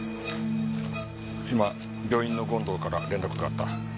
今病院の権藤から連絡があった。